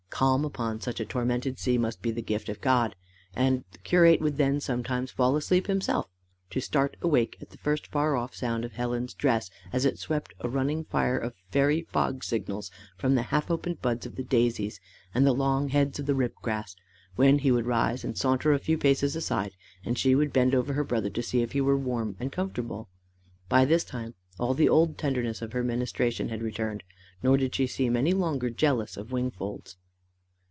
Calm upon such a tormented sea must be the gift of God; and the curate would then sometimes fall asleep himself to start awake at the first far off sound of Helen's dress as it swept a running fire of fairy fog signals from the half opened buds of the daisies, and the long heads of the rib grass, when he would rise and saunter a few paces aside, and she would bend over her brother, to see if he were warm and comfortable. By this time all the old tenderness of her ministration had returned, nor did she seem any longer jealous of Wingfold's.